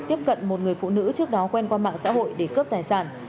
tiếp cận một người phụ nữ trước đó quen qua mạng xã hội để cướp tài sản